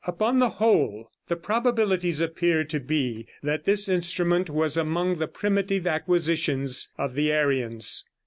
Upon the whole, the probabilities appear to be that this instrument was among the primitive acquisitions of the Aryans.